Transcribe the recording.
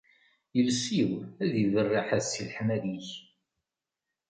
Iles-iw ad iberreḥ s leḥmadi-k.